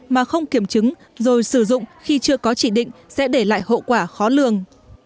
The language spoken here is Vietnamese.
mà không kiểm chứng rồi sử dụng khi chưa có chỉ định sẽ để lại hậu quả khó lường